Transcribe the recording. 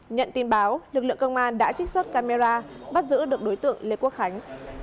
nhận tin báo lực lượng công an đã trích xuất camera bắt giữ được đối tượng lê quốc khánh